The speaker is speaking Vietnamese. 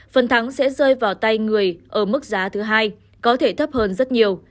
phần thắng sẽ rơi vào tay người ở mức giá thứ hai có thể thấp hơn rất nhiều